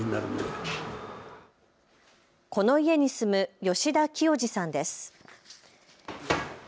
この家に住む吉田喜代司さんです。